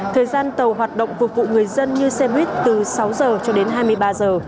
thời gian tàu hoạt động phục vụ người dân như xe buýt từ sáu giờ cho đến hai mươi ba giờ